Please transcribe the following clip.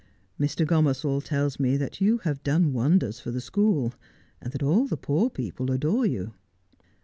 ' Mr. Gomersall tells me that you have done wonders for the school, and that all the poor people adore you.'